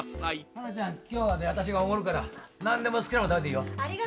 華ちゃん今日は私がおごるから何でも好きな物食べていいよ。